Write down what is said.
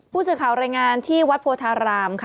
ผู้สื่อข่าวรายงานที่วัดโพธารามค่ะ